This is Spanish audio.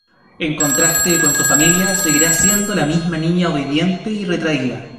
En contraste, con su familia seguirá siendo la misma niña obediente y retraída.